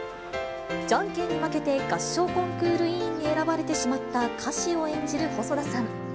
じゃんけんに負けて、合唱コンクール委員に選ばれてしまった樫を演じる細田さん。